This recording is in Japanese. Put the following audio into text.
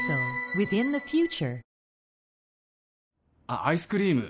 あっアイスクリーム